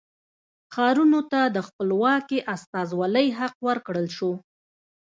ښارونو ته د خپلواکې استازولۍ حق ورکړل شو.